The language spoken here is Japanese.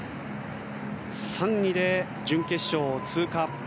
３位で準決勝を通過。